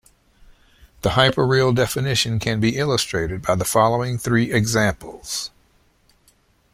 The hyperreal definition can be illustrated by the following three examples.